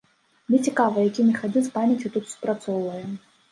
Мне цікава, які механізм памяці тут спрацоўвае.